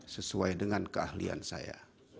sesuai dengan keahlian saya